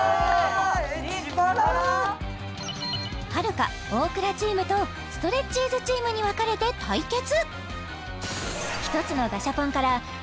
はるか・大倉チームとストレッチーズチームに分かれて対決！